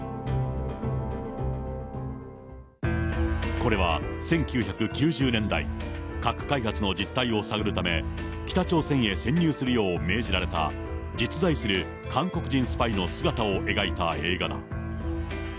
これは１９９０年代、核開発の実態を探るため、北朝鮮へ潜入するよう命じられた実在する韓国人スパイの姿を描いた映画だ。